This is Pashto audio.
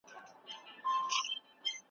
په کندهار کي ډیره میوه کیږي.